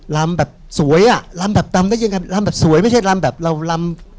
ลำแบบสวยอ่ะลำแบบดำได้ยังไงลำแบบสวยไม่ใช่ลำแบบเราลำ